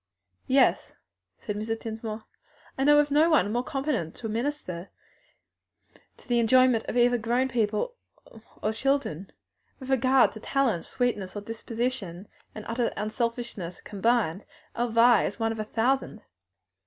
"Yes," said Mrs. Dinsmore, "I know of no one more competent to minister to the enjoyment of either grown people or children. As regards talent, sweetness of disposition, and utter unselfishness combined, our Vi is one in a thousand."